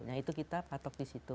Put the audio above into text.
nah itu kita patok di situ